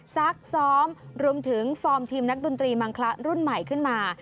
ซักซ้อมรวมถึงฟอร์มทีมนักดนตรีมังคละรุ่นใหม่ขึ้นมา